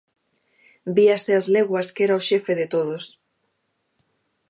Víase ás leguas que era o xefe de todos.